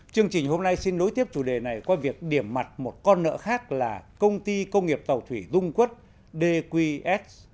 chương trình hôm nay xin nối tiếp chủ đề này qua việc điểm mặt một con nợ khác là công ty công nghiệp tàu thủy dung quốc dqs